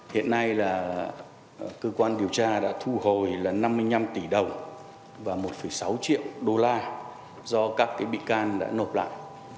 hiện nay là cơ quan điều tra đã thu hồi là năm mươi năm tỷ đồng và một sáu triệu đô la do các bị can đã nộp lại